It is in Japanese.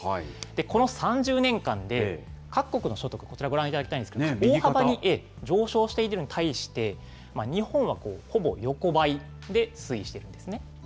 この３０年間で、各国の所得、こちら、ご覧いただきたいんですが、大幅に上昇しているのに対して、日本はほぼ横ばいで推移しているんですね。